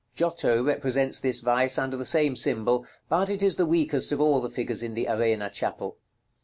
Giotto represents this vice under the same symbol; but it is the weakest of all the figures in the Arena Chapel.